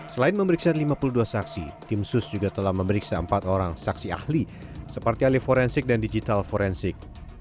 selain memeriksa lima puluh dua saksi tim sus juga telah memeriksa empat orang saksi ahli seperti ahli forensik dan digital forensik